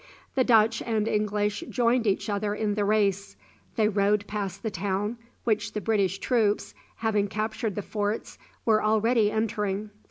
The Dutch and English joined each other in the race. They rowed past the town, which the British troops, having captured the forts, were already entering.